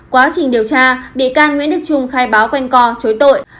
quá trình điều tra bị can nguyễn đức trung khai báo quanh co chối tội